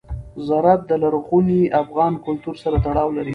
زراعت د لرغوني افغان کلتور سره تړاو لري.